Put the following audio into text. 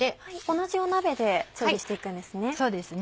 同じ鍋で調理して行くんですね。